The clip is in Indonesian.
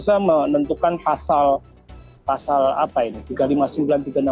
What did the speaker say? saya kira rekonstruksi semacam itu hanya bentuk hal yang terjadi di sana